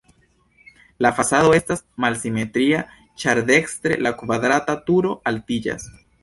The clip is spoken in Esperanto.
La fasado estas malsimetria, ĉar dekstre la kvadrata turo altiĝas.